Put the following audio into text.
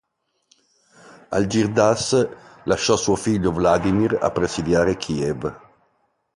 Algirdas lasciò suo figlio Vladimir a presidiare Kiev.